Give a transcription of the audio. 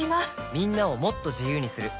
みんなをもっと自由にする「三菱冷蔵庫」